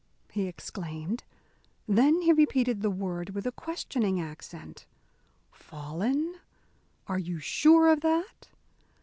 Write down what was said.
he exclaimed. Then he repeated the word with a questioning accent "fallen? Are you sure of that?